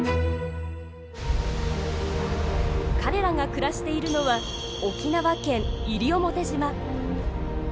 彼らが暮らしているのは沖縄県西表島。